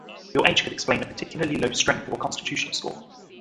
Your age could explain a particularly low Strength or Constitution score.